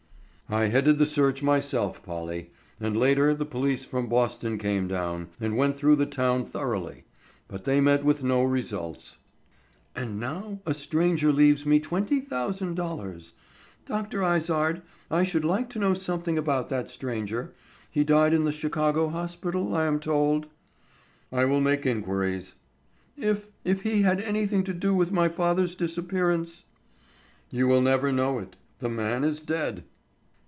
"I headed the search myself, Polly; and later the police from Boston came down, and went through the town thoroughly. But they met with no results." "And now a stranger leaves me twenty thousand dollars! Dr. Izard, I should like to know something about that stranger. He died in the Chicago Hospital, I am told." "I will make inquiries." "If—if he had anything to do with my father's disappearance——" "You will never know it; the man is dead."